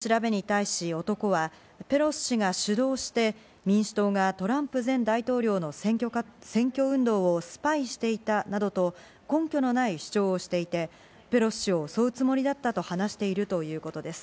警察の調べに対し、男はペロシ氏が主導して民主党がトランプ前大統領の選挙運動をスパイしていたなどと根拠のない主張をしていてペロシ氏を襲うつもりだったと話しているということです。